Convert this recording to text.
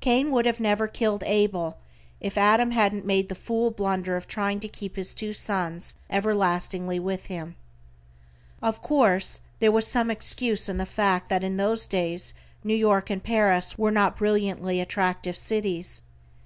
Cain would never have killed Abel if Adam hadn't made the fool blunder of trying to keep his two sons everlastingly with him. Of course there was some excuse in the fact that in those days New York and Paris were not brilliantly attractive cities.